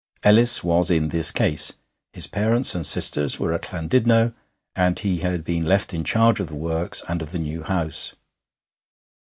Ellis was in this case. His parents and sisters were at Llandudno, and he had been left in charge of the works and of the new house.